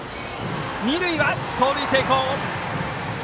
二塁は盗塁成功。